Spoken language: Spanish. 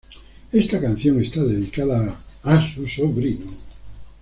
Esta canción está dedicada a su sobrino.